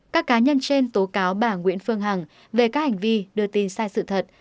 các cá nhân trên tố cáo bà nguyễn phương hằng về các hành vi đưa tin sai sự thật